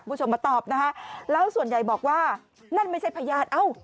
ผู้ชมมาตอบนะครับแล้วส่วนใหญ่บอกว่านั่นไม่ใช่พยาธิ